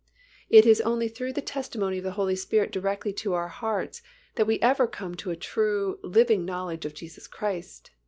It is only through the testimony of the Holy Spirit directly to our hearts that we ever come to a true, living knowledge of Jesus Christ (cf.